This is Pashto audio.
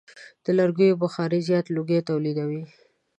د لرګیو بخاري زیات لوګی تولیدوي.